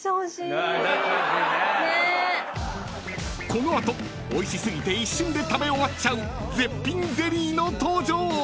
［この後おいし過ぎて一瞬で食べ終わっちゃう絶品ゼリーの登場］